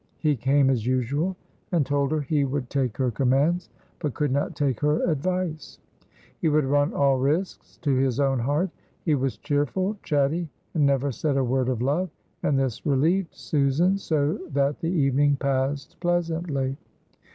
He came as usual, and told her he would take her commands, but could not take her advice. He would run all risks to his own heart. He was cheerful, chatty and never said a word of love; and this relieved Susan, so that the evening passed pleasantly.